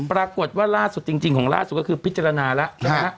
ปรากฏว่าล่าสุดจริงของล่าสุดก็คือพิจารณาแล้วนะฮะ